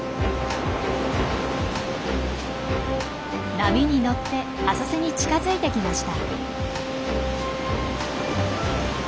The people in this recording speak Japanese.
波に乗って浅瀬に近づいてきました。